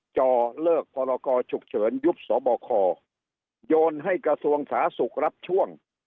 จอเลิกพรกรฉุกเฉินยุบสบคโยนให้กระทรวงสาธารณสุขรับช่วง